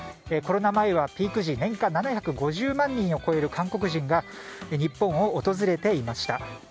コロナ前はピーク時年間７５０万人を超える韓国人が日本を訪れていました。